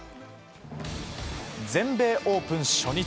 全米オープン初日。